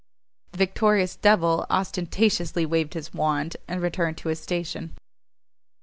The victorious devil ostentatiously waved his wand, and returned to his station.